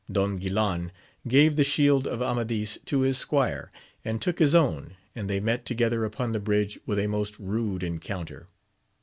Don Guilan gave the shield of Amadis to his squire, and took his own, and they met together upon the bridge with a most rude encounter.